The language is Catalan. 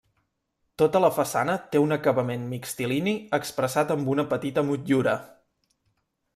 Tota la façana té un acabament mixtilini expressat amb una petita motllura.